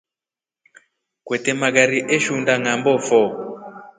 Kwete magari eshunda ngʼambo foo.